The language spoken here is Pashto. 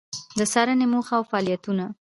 د څارنې موخه او فعالیتونه: